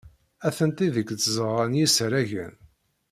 Atenti deg tzeɣɣa n yisaragen.